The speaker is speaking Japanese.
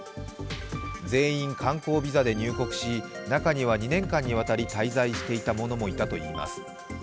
全員観光ビザで入国し中には２年間にわたり滞在していた者もいたといいます。